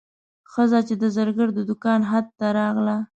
ښځه چې د زرګر د دوکان حد ته راغله.